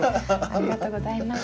ありがとうございます。